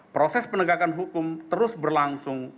proses penegakan hukum terus berlangsung